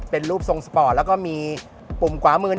เป็นรูปทรงสปอร์ตแล้วก็มีปุ่มขวามือ